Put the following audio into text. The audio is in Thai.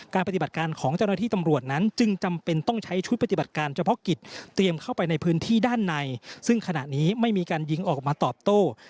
ปฏิบัติการของเจ้าหน้าที่ตำรวจนั้นจึงจำเป็นต้องใช้ชุดปฏิบัติการเฉพาะกิจเตรียมเข้าไปในพื้นที่ด้านในซึ่งขณะนี้ไม่มีการยิงออกมาตอบโต้